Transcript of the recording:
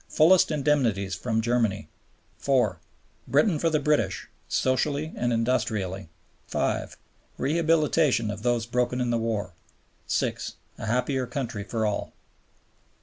Fullest Indemnities from Germany. 4. Britain for the British, socially and industrially. 5. Rehabilitation of those broken in the war. 6. A happier country for all."